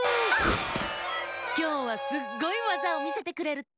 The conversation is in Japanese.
きょうはすっごいわざをみせてくれるって！